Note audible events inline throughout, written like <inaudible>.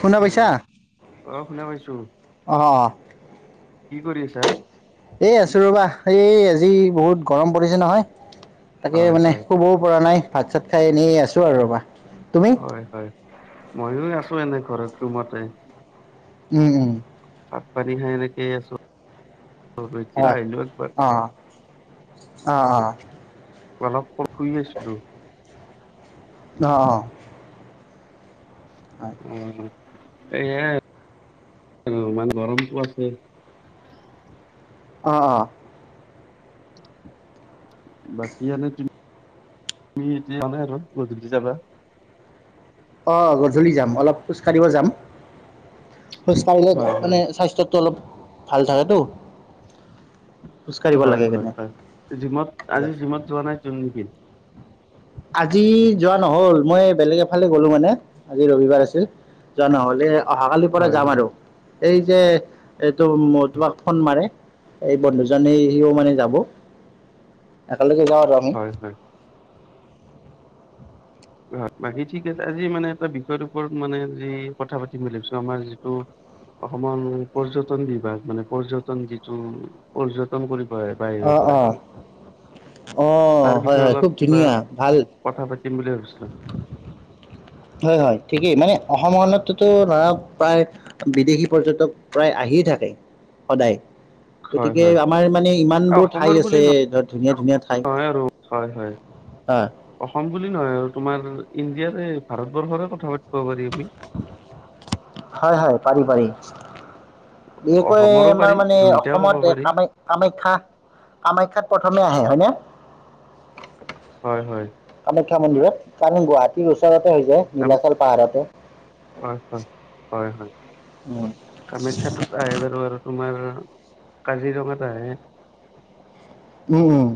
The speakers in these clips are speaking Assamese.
শুনা পাইছা হেল্লো' অ' শুনা পাইছো অ কি কৰি আছে? <unintelligible> এ আছো ৰবা এই আজি বহুত গৰম পৰিছে নহয়। তাকে হয় মানে হয় কবও পৰা নাই ভাত চাত খাই এনে আছো আৰু ৰবা। তুমি হয় হয় ময়ো আছো এনে ঘৰত ৰুমতে। উম উম। চাপ পানী খায় এনেকেই আছো। হয় অ অ <unintelligible> অলপ ক শুই আছিলো। অ'। হয়। এ, এ আৰু ইমান গৰমটো আছে। অ' অ'। বাকী নে তুমি, এতিয়া যানাই আৰু গধূলি যাবা? অ গধূলি যাম অলপ খোজ কাঢ়িব যাম খোজ কঢ়িলে হয় মানে হয় স্বাস্থ্য অলপ ভাল থাকেতো। খোজকাঢ়িব হয় লাগে হয় কেনে হয় জিমত আজি জিমত যোৱা নাই যোন নেকি? আজি যোৱা নহ'ল মই বেলেগ এফালে গ'লো মানে আজি ৰবিবাৰ আছিল। যোৱা নহ'লে। অহাকালিৰ পৰা হয় যাম হয় আৰু এই যে এইটো তোমাক ফোন মাৰে। এই বন্ধুজন সিও মানে যাব, একেলগে যাওঁ আৰু আমি। হয় হয় হয় বাকী ঠিক আছে আজি মানে এটা বিষয়ৰ ওপৰত মানে যি কথা পাতিম বুলি ভাবিছো আমাৰ যিটো অসমৰ পৰ্যটন বিভাগ মানে পৰ্যটন যিটো পৰ্যটন হয় অ বাহিৰৰ অ পৰাই। অ তাৰ হয় বিষয়ে হয় অলপ খুব কিবা ধুনীয়া ভাল কথা পাতিম বুলি ভাবিছো। <inaudible> হয় হয় ঠিকেই মানে অসমতো ধৰা প্ৰায় বিদেশী পৰ্যটক প্ৰায় আহি আহি থাকে সদায়। হয় গতিকে হয় আমাৰ মানে ইমান বোৰ ঠাই অসমৰ বুলি আছে ধৰ ধুনীয়া ধুনীয়া ঠাই। নহয় আৰু হয় হয় হয় অসম বুলি নহয় আৰু তোমাৰ ইণ্ডিয়াৰে ভাৰতবৰ্ষৰে কথা পাতিব পাৰিব। হয় হয় পাৰি পাৰি। বিশেষকৈ অসমৰো আমাৰ পাৰি মানে দুয়োটা ক'ব অসমত এ পাৰি কামা কামাখ্যা কামাখ্যাত প্ৰথমে আহে হয় নে? হয় হয়। খ্যা মন্দিৰত কাৰণ গুৱাহাটীৰ ওচৰতে হৈ যায় কাম নীলাচল পাহাৰতে। উম, কামাখ্যাতোত আহে বাৰু আৰু তোমাৰ কাজিৰঙাত আহে। উম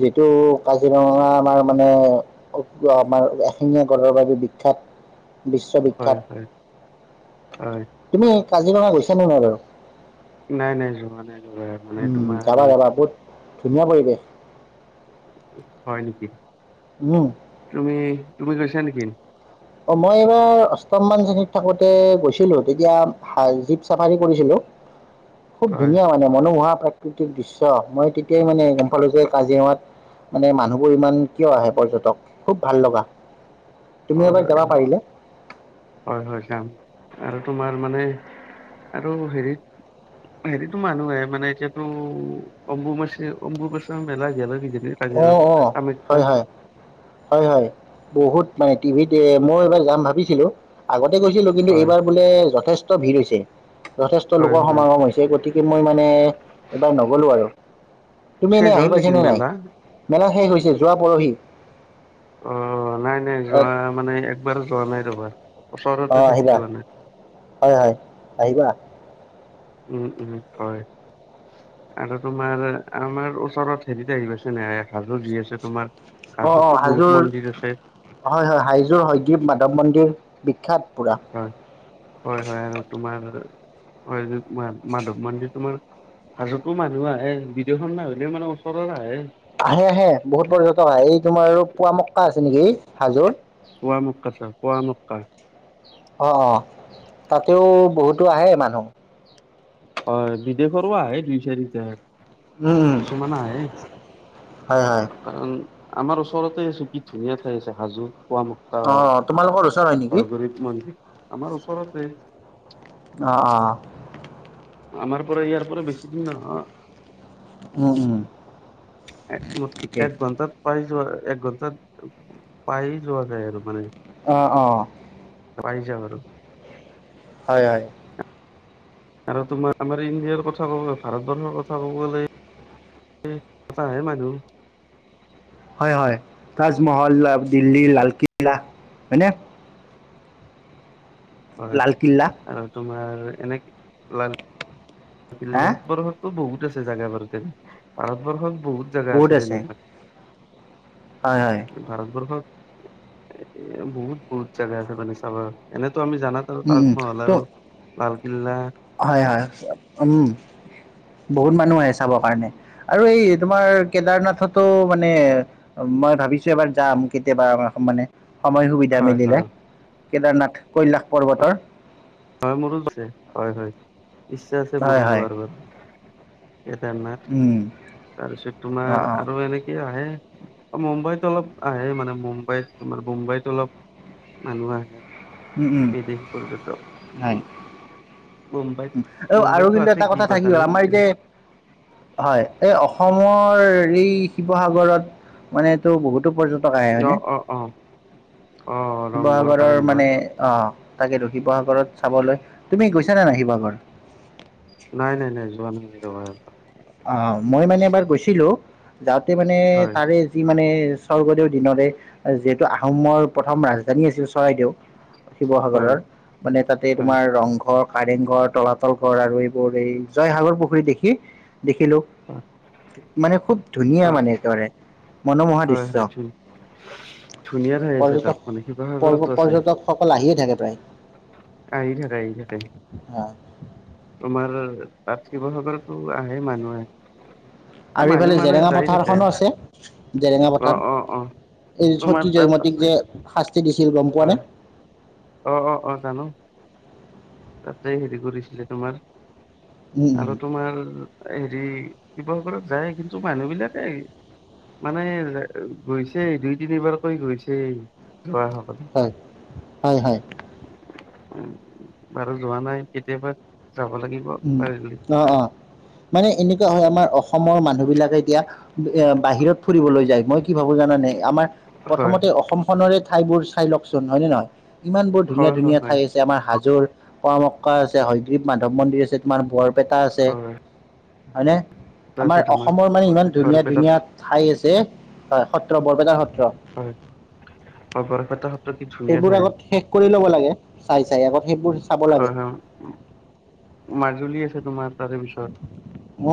যিটো কাজিৰঙা আমাৰ মানে আমাৰ এশিঙীয়া গড়ৰ বাবে বিখ্যাত হয় হয় বিশ্ববিখ্যাত। হয় তুমি কাজিৰঙা গৈছানে নাই বাৰু? নাই নাই যোৱা নাই যোৱা মানে উম তোমাৰ যাবা যাবা বহুত ধুনীয়া পৰিৱেশ। হয় নিকি তুমি তুমি গৈছা নিকি? অ মই এইবাৰ অষ্টম মান শ্ৰেণীত থাকোতে গৈছিলো তেতিয়া জীপ চাফাৰী কৰিছিলো। <inaudible> খুব হয় ধুনীয়া মানে মনোমোহা প্ৰাকৃতিক দৃশ্য মই তেতিয়াই মানে গম পালো যে কাজিৰঙাত মানে মানুহবোৰ ইমান কিয় আহে পৰ্যটক খুব ভাল লগা তুমি এবা হয় হয় যাম আৰু তোমাৰ মানে আৰু হেৰিত হেৰিতটো মানুহে আহে মানে এতিয়াতো অম্বু মাছি অম্বুপাচা মেলা গেল কি অ অ হয় হয় হয় হয় বহুত মানে টিভিত মই এইবাৰ যাম ভাবিছিলো আগতে গৈছিলো কিন্তু হয় এইবাৰ বোলে যথেষ্ট ভিৰ হৈছে। যথেষ্ট হয় লোকৰ হয় সমাগম হৈছে গতিকে মই মানে এইবাৰ নগলো আৰু। তুমি পিছে এনেই গ'ল আহি পাইছা নেকি নে নাই? মেলা মেলা শেষ হৈছে যোৱা পৰহি। অ নাই নাই অঁ যোৱা মানে একবাৰ যোৱা নাই ৰবা। ওচৰতে থাকি আহিবা যোৱা নাই হয় হয় আহিবা। উম উম হয়। আৰু তোমাৰ আমাৰ ওচৰত হেৰিত আহি পাইছে ন হাজো যি আছে তোমাৰ অ অ হাজোততো বহুত হাজোৰ মন্দিৰ আছে হয় হয় হাইযোৰ হয়দীপ মাধৱ মন্দিৰ বিখ্যাত পুৰা হয় হয় হয় আৰু তোমাৰ হয় মাধৱ মন্দিৰ তোমাৰ হাজোতো মানুহ আহে বিদেখৰ নাহিলেও মানে ওচৰৰ আহে আহে আহে বহুত পৰ্যতক আহে এই তোমাৰ আৰু পুৱা মক্কা আছে নেকি এই হাজোৰ পুৱা মক্কা চা পুৱা মক্কা অ অ তাতেও বহুতো আহে মানুহ হয় বিদেশৰো আহে দুই চাৰিটা উম উম কিছুমান আহে হয় হয় কাৰণ আমাৰ ওচৰতে আছো কি ধুনীয়া ঠাই আছে হাজো কোৱা মুুা অ তোমালোকৰ ওচৰ হয় হওক নেকি বৰগুৰিত মন্দিৰ আমাৰ ওচৰতে অঁ অ আমাৰ পৰা ইয়াৰ পৰা বেছিদিন উম উম নহয় এক ঠিকেই এক ঘন্টাত পাৰি যোৱা আৰু এক ঘণ্টাত পায়েই যোৱা যায় আৰু মানে আহ অ পাই যা আৰু হয় হয় আৰু তোমাৰ আমাৰ ইণ্ডিয়াৰ কথা ক'ব গলে ভাৰতবৰ্ষৰ কথা ক'ব গ'লে পতা হে মানহ হয় হয় তাজমহল দিল্লী লালকিল্লা হয়নে হয় লালকিল্লা আৰু তোমাৰ এনে হা বষু টো বহুত আছে জেগা বাৰু তেনে ভাৰতবৰ্ষত বহুত জাগা আছে তেনেকুৱা হয় হয় ভাৰতবৰ্ষত এ বহুত বহুত জাগা আছে মানে চাব এনে টো আমি জানাত আৰু উম উম তাজমহল আৰু ত' ভাল হয় হয় উম বহুত মানুহ আহে চাবৰ কাৰণে আৰু এই তোমাৰ কেদাৰনাথতো মানে মই ভাবিছো এবাৰ যাম কেতিয়াবা মানে সময় সুবিধা হয় মিলিলে হয় কেদাৰনাথ কৈলাশ পৰ্বতৰ হয় মোৰো আছে হয় হয় ইচ্ছা আছে হয় মোৰো হয় যোৱাৰ বাৰু কেটাৰ নথ তাৰপিছত অঁ তোমাৰ অঁ আৰু এনেকে আহে মুম্বাইত অলপ আহে মানে মুম্বাইত তোমাৰ মুম্বাইত অলপ মানুহ আহে বিদেশ পৰ্যত হয় অ আৰু মুম্বাইতো কিন্তু আছে এটা কথা কিবা থাকি গ'ল কানি আমাৰ এই এনে যে হয় এই অসমৰ এই শিৱসাগৰত মানেটো বহুত পৰ্যটক আহে অ হয়নে অ অ অ ৰংঘৰ শিৱসাগৰৰ কাৰেংঘৰ মানে আহ তাকে ৰ শিৱসাগৰত চাবলৈ তুমি গৈছা নে নাই শিৱসাগৰ নাই নাই নাই যোৱা ন ৰটা অ মই মানে এবাৰ গৈছিলো যাওঁতে মানে হয় তাৰে যি মানে স্বৰ্গদেউৰ দিনৰে যিহেতু আহোমৰ প্ৰথম ৰাজধানী আছিল চৰাইদেউ হয় শিৱসাগৰৰ মানে তাতে হয় তোমাৰ ৰংঘ ঘৰ কাৰেং ঘৰ তলাতল ঘৰ আৰু এইবোৰ এই জয়সাগৰ পুখুৰী দেখি দেখিলো হয় মানে খুব ধুনীয়া অ মানে একেবাৰে হয় মনোমোহাদৃশ্য হয় ধু ধুনীয়া ঠাই আছে তাত পৰ্যটক মানে শিৱসাগৰতো পৰ্যটকসকল আহিয়ে থাকে প্ৰায় আহিথাকে আহি থাকে অ তমাৰ তাত শিৱসাগৰতৰতো আহে মানুহে আৰু মানুহ এইফালে মানুহ জেৰেঙা যাই থাকে পথাৰখনো আছে জেৰেঙা অ পথাৰ অ অ এই তোমাৰ সতী তাত জয়মতীক আছে যে শাস্তি দিছিল গম পোৱা হয় নে অ অ অ জানো তাতে হেৰি কৰিছিলে তোমাৰ আৰু তোমাৰ এই এই শিৱসাগৰত যায় কিন্তু মানুহ বিলাকে ই মানে গৈছে দুই তিনিবাৰকৈ গৈছে যোৱাসকলে হয় হয় হয় উ বাৰু যোৱা নাই কেতিয়াবা যাব লাগিব উ পাৰিলে অ অ মানে এনেকুৱা হয় আমাৰ অস অসমৰ মানুহ বিলাকে এতিয়া এ বাহিৰত ফুৰিবলৈ যায় মইতো কি ভাবো জানানে আমাৰ হয় প্ৰথমতে অসম খনেৰে ঠাইবোৰ চাই লওকচোন হয় নে নহয়? ইমান বোৰ ধুনীয়া হয় হয় ধুনীয়া হয় ঠাই আছে আমাৰ হাজোৰ পোৱামক্কা আছে হয়গ্ৰীৱ মাধৱ মন্দিৰ৷ তোমাৰ বৰপেটা আছে, হয় হয়নে? আমাৰ আছে তোমাৰ অসমৰ মানে ইমান ধুনীয়া বৰপেটাত ধুনীয়া ঠাই আছে, হয়, সত্ৰবোৰ হয়৷ হয়, বৰপেটা সত্ৰত সেইবোৰ আগত শেষ কৰি ল'ব লাগে, চাই চাই, আগত সেইবোৰ চাব হয় লাগে৷ হয় মাজুলী আছে তোমাৰ৷ তাৰে পিছত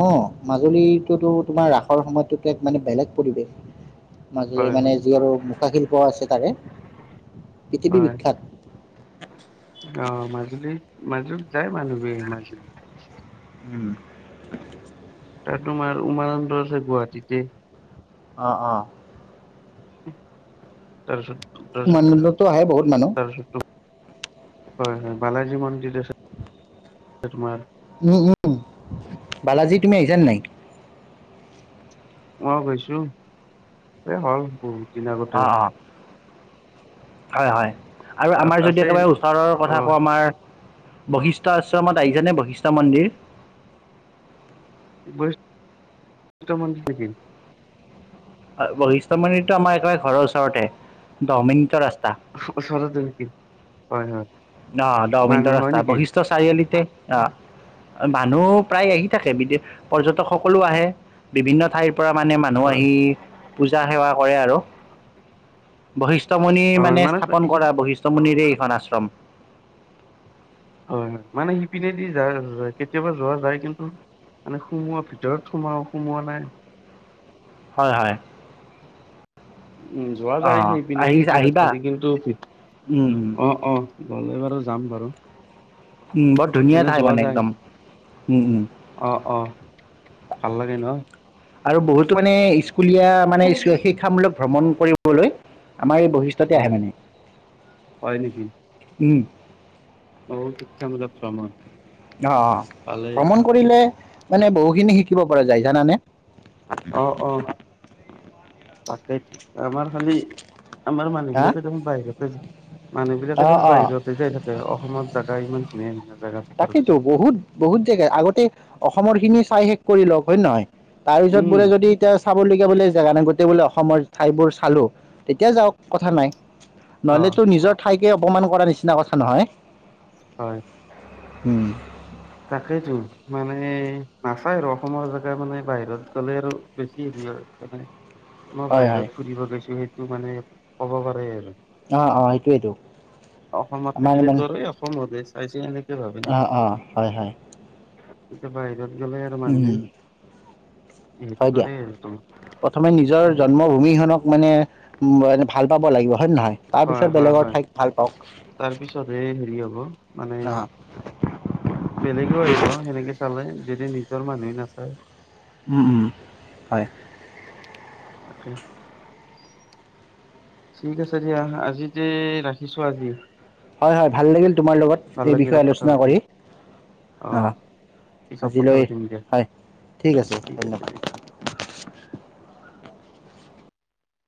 অ, মাজুলীটোতো তোমাৰ ৰাসৰ সময়ততো এক মানে বেলেগ পৰিৱেশ৷ মাজুলী হয় মানে হয় যি হয় আৰু মুখা শিল্প আছে তাৰে পৃথিৱী হয় বিখ্যাত৷ অ, মাজুলীত, মাজুলীত যায় মানুহবোৰে মাজুলীত উম তাত তোমাৰ উমানন্দ আছে গুৱাহাটীতে৷ অ--অ তাৰপিছত তাৰপিছত উমানন্দতো আহে বহুত মানুহ৷ তাৰপিছত হয়, হয়, বালাজী মন্দিৰ আছে তোমাৰ৷ উম, উম, বালাজী তুমি আহিছানে নাই? অ, গৈছো৷ এ হ'ল বহুত দিন অ', আগতে৷ অ', হয়, হয়, আৰু তাত আমাৰ যদি আছে একেবাৰে ওচৰৰ অ কথা কওঁ, আমাৰ বশিষ্ঠ আশ্ৰমত আহিছানে? বশিষ্ঠ মন্দিৰ? বশিষ্ঠ মন্দিৰ নেকি? বশিষ্ঠ মন্দিৰটো আমাৰ একেবাৰে ঘৰৰ ওচৰতে৷ দহ মিনিটৰ ৰাস্তা৷ ওচৰতে নে কি? হয় হয়৷ অ, দহ মিনিটৰ মানুহ হয় ৰাস্তা নেকি? বশিষ্ঠ চাৰিআলিতে অ মানুহ প্ৰায় আহি থাকে, বিদেশ পৰ্যটক সকলো আহে বিভিন্ন ঠাইৰ পৰা মানে মানুহ হয়। আহি পূজা-সেৱা কৰে আৰু বশিষ্ঠমুণি হয় মানে স্থাপন কৰা সি- বশিষ্ঠমুণিৰে এইখন আশ্ৰম৷ হয়, মানে সিপিনেদি যায় কেতিয়াবা যোৱা যায় কিন্তু মানে সোমোৱা ভিতৰত সোমা সোমোৱা নাই হয় হয়৷ উম যোৱা অ যাই সেই পিনে আহি সেইটো আহিবা ৰাস্তাতে কিন্তু উম উম অ অ গ'লে বাৰু যাম উম বৰ বাৰু৷ ধুনীয়া এনে ঠাই যোৱা মানে একদম উম উম যায়৷অ অ ভাল লাগে ন? আৰু বহুতো মানে স্কুলীয়া মানে শিক্ষামূলক ভ্ৰমণ কৰিবলৈ আমাৰ এই বশিষ্টতে আহে হয় মানে৷ উম বহুত শিক্ষামূলক ভ্ৰমণ অ, অ, ভালেই ভ্ৰমণ কৰিলে, মানে বহুখিনি শিকিব পৰা যায় জানানে? অ অ--তাকেই আমাৰ খালি আমাৰ মানুহ হা বিলাকে দেখোন বাহিৰতে যায়, মানুহ বিলাকে অ দেখোন অ বাহিৰতে যাই থাকে৷অসমত জাগা ইমান ধুনীয়া ধুনীয়া৷ জাগা থকাৰ তাকেইেতো পিছত বহুত, বহুত জেগা আগতে অসমৰ খিনি চাই শেষ কৰি লওক, হয় নে নহয়। তাৰপিছত উম বোলে যদি এতিয়া চাবলগীয়া বোলে জেগা নাই, গোটই বোলে অসমৰ ঠাইবোৰ চালো, তেতিয়া যাওঁক কথা নাই। অ নহ'লেতো নিজৰ ঠাইকে অপমান কৰা নিচিনা কথা নহয়? হয়। হম তাকেইেতো মানে নাচায় আৰু, অসমৰ জেগা মানে বাহিৰত গ'লে আৰু বেছি হয় বাহিৰত হয় ফুৰিব গৈছো সেইটো মানে ক'ব পাৰে আৰু। অ', অ', সেইটোয়েইটো অসমত আমাৰ ইমান থাকিলেতো আৰু এই অসমৰ অ', <unintelligible> অ', হয় হয়। এতিয়া বাহিৰত গল আৰু মানুহ উম, হয় দিয়া, প্ৰথমে নিজৰ এনে জন্মভূমি খনক মানে ভাল পাব লাগিব হয় নে নহয়, তাৰ পিছত বেলেগৰ ঠাইত ভাল পাওঁক। তাৰ পিছত হে হেৰি হ'ব মানে অ', বেলেগেও আহিব সেনেকে চালে যদি নিজৰ মানুহে নাচায়। হম হম, হয়। <inaudible> ঠিক আছে দিয়া আজিতে ৰাখিছো আজি। হয় হয় ভাল লাগিল তোমাৰ লগত এই বিষয়ে আলোচনা কৰি। অ'। আহ। আজিলৈ, হয় ঠিক আছে ধন্যবাদ।